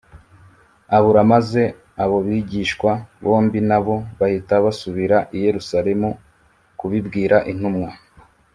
abura maze abo bigishwa bombi na bo bahita basubira i yerusalemu kubibwira intumwa